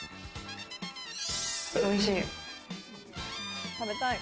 おいしい！